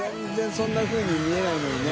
そんなふうに見えないのにね。